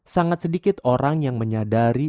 sangat sedikit orang yang menyadari